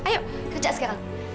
ayo kerja sekarang